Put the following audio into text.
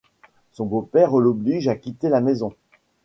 Son beau-père l'oblige à quitter la maison.